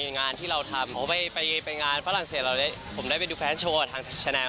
งานที่เราทำเพราะว่าไปงานฝรั่งเศสเราผมได้ไปดูแฟนโชว์ทางแชนแลล